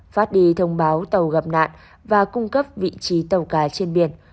phát đi thông báo tàu gặp nạn và cung cấp vị trí tàu cá trên biển